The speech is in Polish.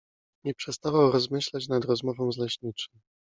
Nie przestawał rozmyślać nad rozmową z leśniczym.